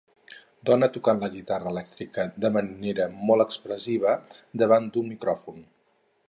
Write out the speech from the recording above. Dona tocant la guitarra elèctrica de manera molt expressiva davant d'un micròfon.